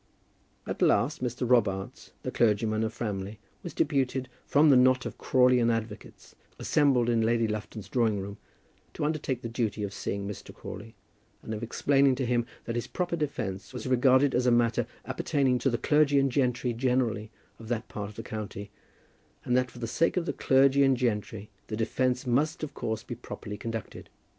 At last Mr. Robarts, the clergyman of Framley, was deputed from the knot of Crawleian advocates assembled in Lady Lufton's drawing room, to undertake the duty of seeing Mr. Crawley, and of explaining to him that his proper defence was regarded as a matter appertaining to the clergy and gentry generally of that part of the country, and that for the sake of the clergy and gentry the defence must of course be properly conducted.